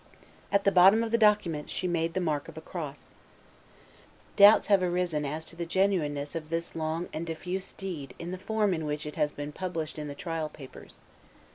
At the bottom of the document she made the mark of a cross. Doubts have arisen as to the genuineness of this long and diffuse deed in the form in which it has been published in the trial papers.